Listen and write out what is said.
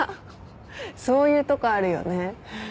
そういうとこあるよね。